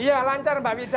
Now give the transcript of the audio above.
iya lancar mbak wita